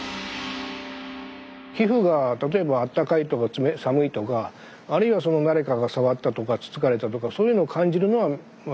皮膚が例えばあったかいとか寒いとかあるいはその誰かが触ったとかつつかれたとかそういうのを感じるのはそれは皆さん